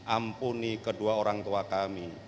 ampuni kedua orang tua kami